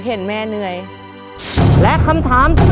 ซึ่งเป็นคำตอบที่